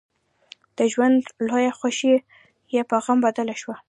د ژوند لويه خوښي يې په غم بدله شوه.